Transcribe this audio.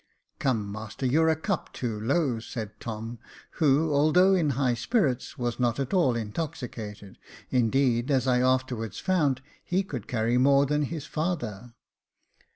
*' Come, master, you're a cup too low," said Tom, who although in high spirits, was not at all intoxicated ; indeed, as I afterwards found, he could carry more than his father.